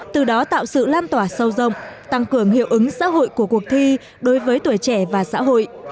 từ đó tạo sự lan tỏa sâu rộng tăng cường hiệu ứng xã hội của cuộc thi đối với tuổi trẻ và xã hội